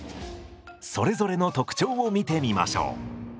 それぞれの特徴を見てみましょう。